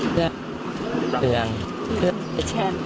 เพื่อเงินเพื่อชาติ